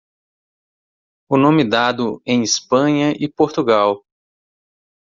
O nome dado em Espanha e Portugal.